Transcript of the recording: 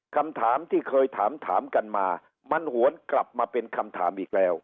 คำถามที่เคยถามถามกันมามันหวนกลับมาเป็นคำถามอีกแล้ว